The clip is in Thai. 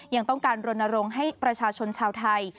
ยังต้องการรณรงค์ให้ประชาชนชาวไทย